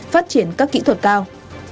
phát triển các kỹ thuật cao